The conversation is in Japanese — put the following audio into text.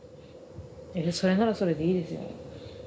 それならそれでいいですよ。